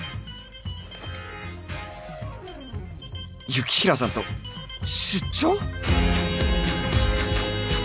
雪平さんと出張！？